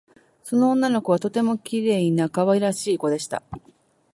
その女の子はとてもきれいなかわいらしいこでした